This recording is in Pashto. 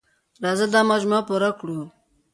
راځه دا مجموعه پوره کړو.